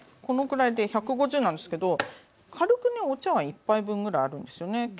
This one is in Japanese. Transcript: このくらいで１５０なんですけど軽くねお茶わん１杯分ぐらいあるんですよね。